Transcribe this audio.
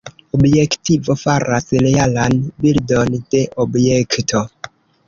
Objektivo faras realan bildon de objekto.